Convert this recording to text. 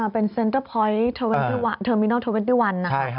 เป็นเซ็นเตอร์พอยต์เทอร์มินัล๒๑